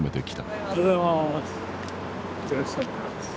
おはようございます。